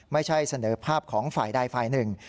ไม่ใช่เสนอภาพของฝ่ายใดฝ่ายหนึ่ง